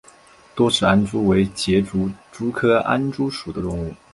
多齿安蛛为栉足蛛科安蛛属的动物。